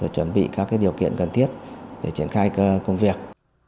điều kiện cần thiết để triển khai công việc